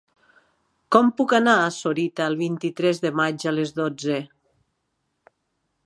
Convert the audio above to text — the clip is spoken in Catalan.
Com puc anar a Sorita el vint-i-tres de maig a les dotze?